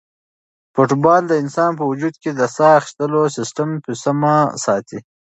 فوټبال د انسان په وجود کې د ساه اخیستلو سیسټم په سمه ساتي.